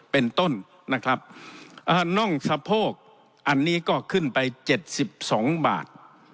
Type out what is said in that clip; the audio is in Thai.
เป็นต้นนะครับเอ่อน่องสะโพกอันนี้ก็ขึ้นไปเจ็ดสิบสองบาท